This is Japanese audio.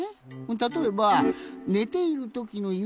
たとえばねているときの夢